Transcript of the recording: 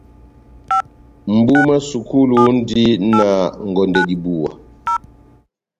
Mʼbu mwá sukulu múndi na ngondɛ dibuwa.